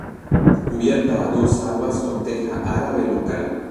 Cubierta a dos aguas con teja árabe local.